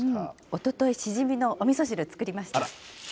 おととい、シジミのおみそ汁作りました。